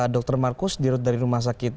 dr markus dirut dari rumah sakit